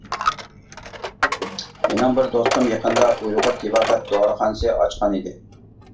مېنىڭ بىر دوستۇم يېقىندا ئۇيغۇر تېبابەت دورىخانىسى ئاچقان ئىدى.